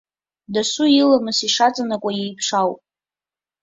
Дасу иламыс ишаҵанакуа еиԥш ауп.